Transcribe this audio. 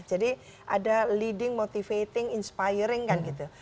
jadi ada leading motivating inspiring kan gitu